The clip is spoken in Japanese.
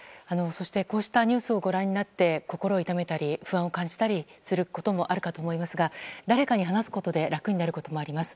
そして、こうしたニュースをご覧になって心を痛めたり不安を感じたりすることもあるかと思いますが誰かに話すことで楽になることもあります。